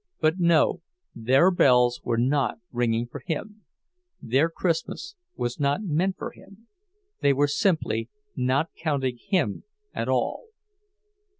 But no, their bells were not ringing for him—their Christmas was not meant for him, they were simply not counting him at all.